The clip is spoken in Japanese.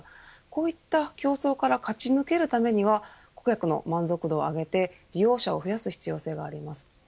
こういった競争から勝ち抜けるためには顧客の満足度を上げて、利用者を増やす必要性があります。